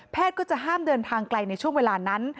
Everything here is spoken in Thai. ก็จะห้ามเดินทางไกลในช่วงเวลานั้น